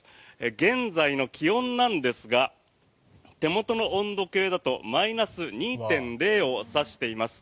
現在の気温なんですが手元の温度計だとマイナス２．０を指しています。